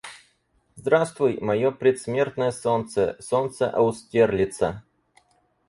Здравствуй, мое предсмертное солнце, солнце Аустерлица!